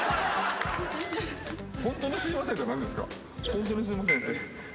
「ホントにすいません」って何ですか？